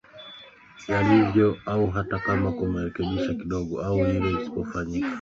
a yalivyo ua hata kama kunamarekebisho kidogo au ile isipofanyika hivi